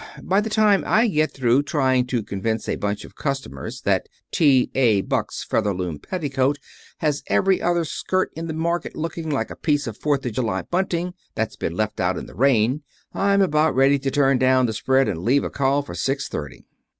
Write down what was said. By the time I get through trying to convince a bunch of customers that T. A. Buck's Featherloom Petticoat has every other skirt in the market looking like a piece of Fourth of July bunting that's been left out in the rain, I'm about ready to turn down the spread and leave a call for six thirty."